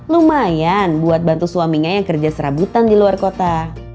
lumayan buat bantu suaminya yang kerja serabutan di luar kota